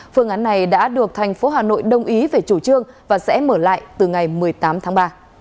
phương án này đã được thành phố hà nội đồng ý về chủ trương và sẽ mở lại từ ngày một mươi tám tháng ba